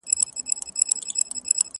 هم له ژوندیو، هم قبرونو سره لوبي کوي!!